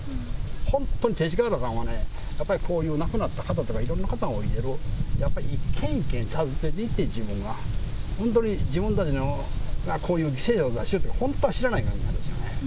本当に勅使河原さんはね、やっぱりこういう亡くなった方とか、いろんな方のこと、やっぱり一軒一軒訪ねて行って、自分が、本当に自分たちの、こういう犠牲を出してると、本当は知らないといけない。